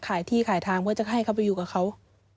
ขายที่ขายทางเพื่อจะให้เขาไปอยู่กับเขา